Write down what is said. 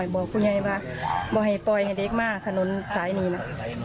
บอกให้ปล่อยให้เด็กมาถนนสายนี่ค่ะ